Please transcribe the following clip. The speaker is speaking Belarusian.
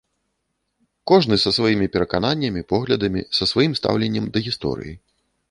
Кожны са сваімі перакананнямі, поглядамі, са сваім стаўленнем да гісторыі.